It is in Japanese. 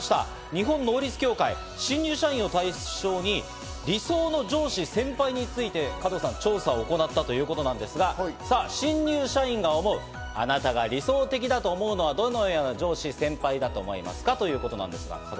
日本能率協会、新入社員を対象に理想の上司・先輩について調査を行ったということですが、新入社員が思うあなたが理想的だと思うのはどのような上司・先輩だと思いますか？ということですが。